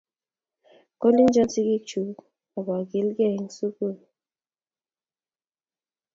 Kolenjon sigikyuk abokilgeiben sugul.